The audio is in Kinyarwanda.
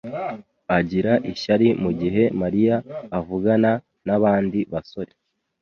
agira ishyari mugihe Mariya avugana nabandi basore.